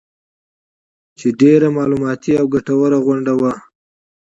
چې ډېره معلوماتي او ګټوره غونډه وه